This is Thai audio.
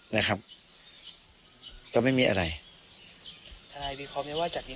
นะครับก็ไม่มีอะไรทนายพี่คอมเบี้ยว่าจากนี้